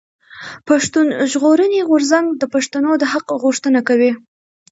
پښتون ژغورنې غورځنګ د پښتنو د حق غوښتنه کوي.